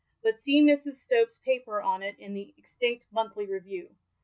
But see Mrs. Stopes's paper on it in the ex tinct Monthly Review.